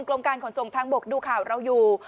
กรมการขนส่งทางบกดูข่าวเราอยู่